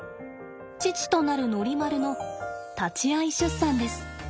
父となるノリマルの立ち会い出産です。